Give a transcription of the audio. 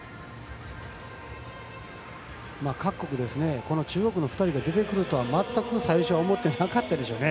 各国、この中国の２人が出てくるとは全く最初は思ってなかったでしょうね。